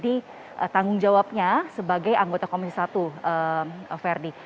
dimana itu juga menjadi tanggung jawabnya sebagai anggota komisi satu ferdie